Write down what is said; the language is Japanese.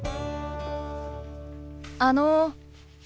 あの。